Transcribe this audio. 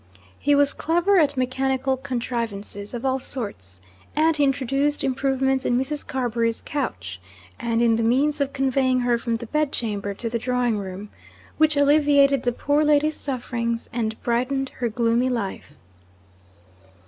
He was clever at mechanical contrivances of all sorts, and he introduced improvements in Mrs. Carbury's couch, and in the means of conveying her from the bedchamber to the drawing room, which alleviated the poor lady's sufferings and brightened her gloomy life.